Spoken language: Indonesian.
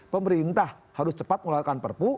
pemerintah harus cepat mengeluarkan perpu